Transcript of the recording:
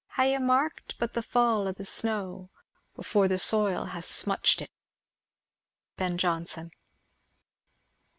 Ha' you mark'd but the fall o' the snow, Before the soil hath smutch'd it? Ben Jonson.